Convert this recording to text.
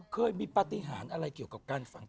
เคยมีปฏิหารอะไรเกี่ยวกับการฝัง